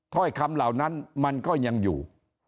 ถ้อยคำเหล่านั้นมันก็ยังอยู่